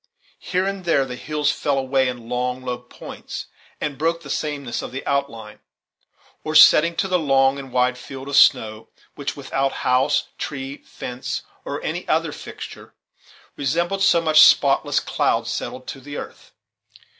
Here and there the hills fell away in long, low points, and broke the sameness of the outline, or setting to the long and wide field of snow, which, without house, tree, fence, or any other fixture, resembled so much spot less cloud settled to the earth.